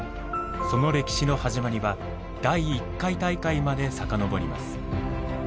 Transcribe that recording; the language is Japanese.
その歴史の始まりは第１回大会までさかのぼります。